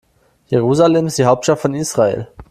Jerusalem ist die Hauptstadt von Israel.